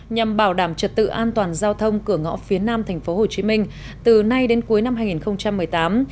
nhằm bảo đảm trật tự an toàn giao thông cửa ngõ phía nam tp hcm từ nay đến cuối năm hai nghìn một mươi tám